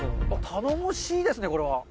頼もしいですね、これは。